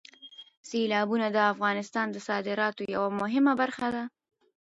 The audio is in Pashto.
سیلابونه د افغانستان د صادراتو یوه مهمه برخه ده.